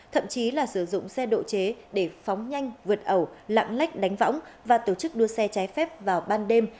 thậm chí là sử dụng xe độ chế để phóng nhanh vượt ẩu lạng lách đánh võng và tổ chức đua xe trái phép vào ban đêm